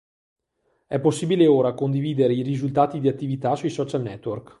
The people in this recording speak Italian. È possibile ora condividere i risultati di Attività sui social network.